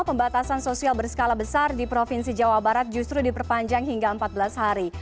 pembatasan sosial berskala besar di provinsi jawa barat justru diperpanjang hingga empat belas hari